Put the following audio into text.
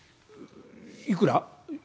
「いくら？」。